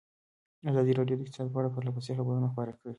ازادي راډیو د اقتصاد په اړه پرله پسې خبرونه خپاره کړي.